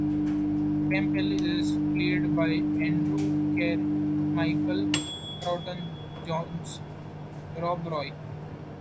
Campbell is played by Andrew Keir in Michael Caton-Jones's "Rob Roy".